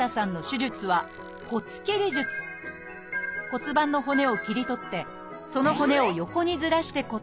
骨盤の骨を切り取ってその骨を横にずらして固定。